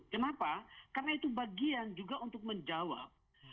kenapa karena itu bagian juga untuk menjawab